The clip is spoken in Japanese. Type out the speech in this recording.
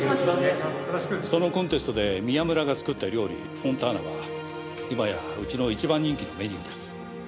そのコンテストで宮村が作った料理フォンターナは今やうちの一番人気のメニューです。